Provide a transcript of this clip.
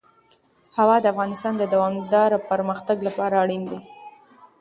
هوا د افغانستان د دوامداره پرمختګ لپاره اړین دي.